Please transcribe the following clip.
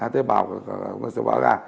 tế bào nó sẽ vỡ ra